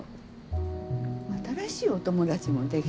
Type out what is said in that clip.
新しいお友達もできたのよ。